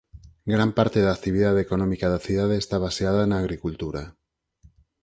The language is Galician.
Gran parte da actividade económica da cidade está baseada na agricultura.